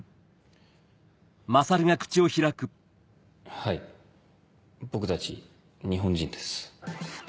はい僕たち日本人です。